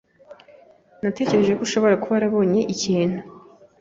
Natekereje ko ushobora kuba warabonye ikintu.